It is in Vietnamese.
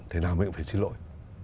thì nào mình cũng phải xin lỗi